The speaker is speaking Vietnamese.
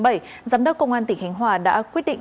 giám đốc công an tỉnh khánh hòa đã quyết định